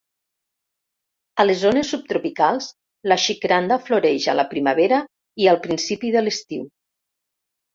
A les zones subtropicals, la xicranda floreix a la primavera i al principi de l'estiu.